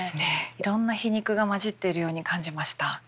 いろんな皮肉が交じっているように感じました。